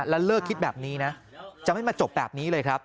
แล้วเลิกคิดแบบนี้นะจะไม่มาจบแบบนี้เลยครับ